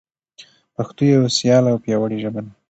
پښتو یوه سیاله او پیاوړي ژبه ده.